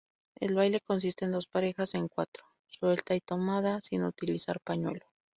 El baile consiste en dos parejas en cuatro, suelta y tomada, sin utilizar pañuelo.